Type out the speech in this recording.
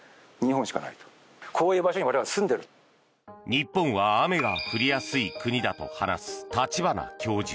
日本は、雨が降りやすい国だと話す立花教授。